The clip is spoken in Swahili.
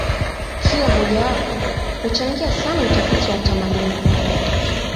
Kila mojawapo huchangia sana utafiti wa utamaduni.